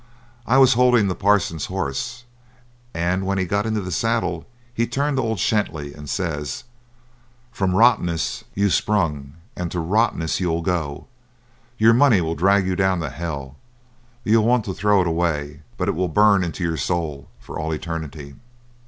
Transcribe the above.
I was holdin' the parson's horse, and when he got into the saddle, he turns to old Shenty, and says: 'From rottenness you sprung, and to rottenness you'll go. Your money will drag you down to hell; you'll want to throw it away, but it will burn into your soul for all eternity.'